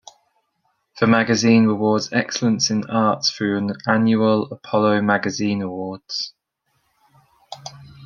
The magazine rewards excellence in arts through an annual Apollo Magazine Awards.